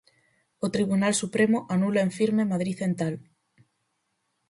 O Tribunal Supremo anula en firme Madrid Central.